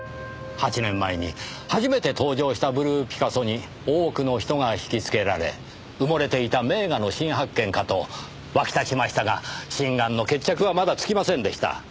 ８年前に初めて登場したブルーピカソに多くの人がひきつけられ埋もれていた名画の新発見かと沸き立ちましたが真贋の決着はまだつきませんでした。